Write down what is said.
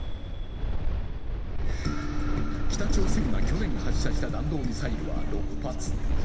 北朝鮮が去年発射した弾道ミサイルは６発。